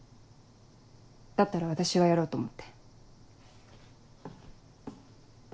だったら私がやろうと思って。